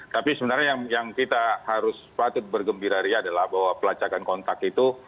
tapi sebenarnya yang kita harus patut bergembira ria adalah bahwa pelacakan kontak itu